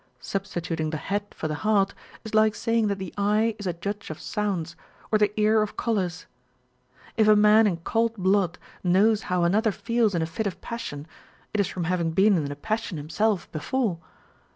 Substituting the head for the heart is like saying that the eye is a judge of sounds or the ear of colours. If a man in cold blood knows how nnother feels in a fit of passion, it is from having been in a passion himself before.